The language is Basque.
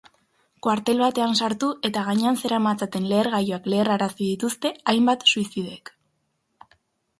Kuartel batean sartu eta gainean zeramatzaten lehergailuak leherrarazi dituzte hainbat suizidek.